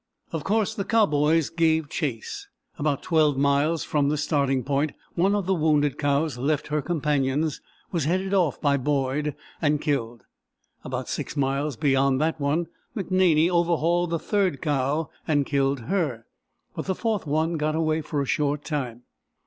Of course the cowboys gave chase. About 12 miles from the starting point one of the wounded cows left her companions, was headed off by Boyd, and killed. About 6 miles beyond that one, McNaney overhauled the third cow and killed her, but the fourth one got away for a short time.